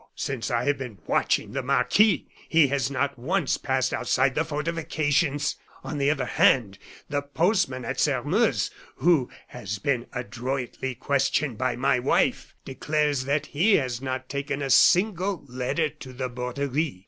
Since I have been watching the marquis, he has not once passed outside the fortifications. On the other hand, the postman at Sairmeuse, who has been adroitly questioned by my wife, declares that he has not taken a single letter to the Borderie."